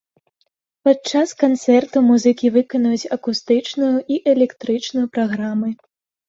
Падчас канцэрту музыкі выканаюць акустычную і электрычную праграмы.